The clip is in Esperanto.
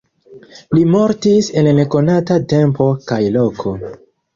Li mortis en nekonata tempo kaj loko.